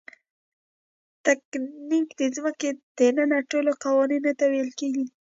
تکتونیک د ځمکې دننه ټولو قواوو ته ویل کیږي.